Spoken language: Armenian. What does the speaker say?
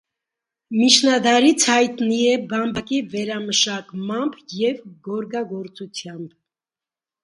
Միջնադարից հայտնի է բամբակի վերամշակմամբ և գորգագործությամբ։